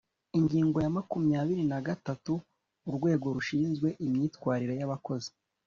Ingingo ya makumyabiri na gatatu: Urwego rushinzwe imyitwarire ya abakozi